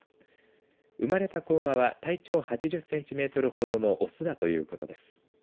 生まれた子馬は体長８０センチメートルほどのオスだということです。